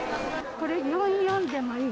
これ、４・４でもいい？